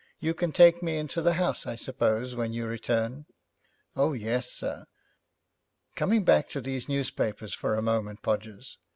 You can take me into the house, I suppose, when you return?' 'Oh, yes, sir.' 'Coming back to these newspapers for a moment, Podgers.